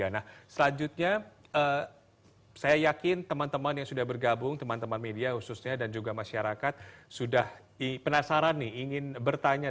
nah selanjutnya saya yakin teman teman yang sudah bergabung teman teman media khususnya dan juga masyarakat sudah penasaran nih ingin bertanya